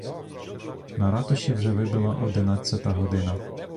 На ратуші вже вибила одинадцята година.